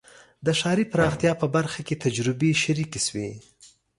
د ښاري پراختیا په برخه کې تجربې شریکې شوې.